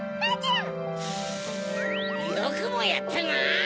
よくもやったな！